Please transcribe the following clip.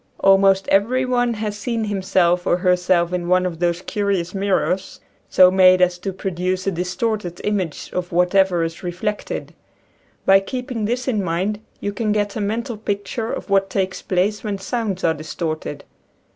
Almost every one has seen himself or herself in one of those curious mirrors so made as to produce a distorted image of whatever is reflected. By keeping this in mind you can get a mental picture of what takes place when sounds are distorted.